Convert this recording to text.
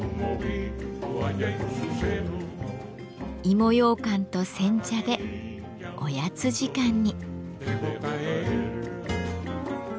芋ようかんと煎茶でおやつ時間に。